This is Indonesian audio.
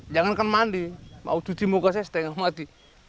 jangankan mandi mau cuci muka saya setengah mati